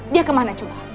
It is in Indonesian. dia kemana coba